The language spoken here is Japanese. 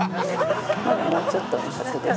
もうちょっと。